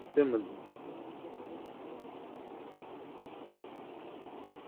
প্রশাসন এটা জেনেও সারা দেশে ভ্রাম্যমাণ আদালতের মাধ্যমে জরিমানাসহ হয়রানি করছেন।